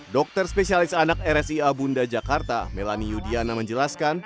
dokter spesialis anak rsi abunda jakarta melani yudiana menjelaskan